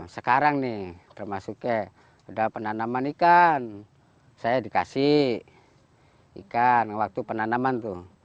sekarang nih termasuknya sudah penanaman ikan saya dikasih ikan waktu penanaman itu